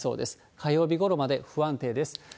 火曜日ごろまで不安定です。